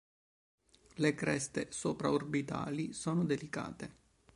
Le creste sopra-orbitali sono delicate.